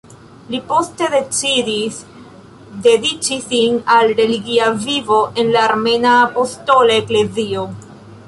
Li poste decidis dediĉi sin al religia vivo en la Armena Apostola Eklezio.